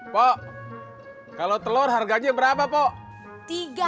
pok kalau telur harganya berapa pok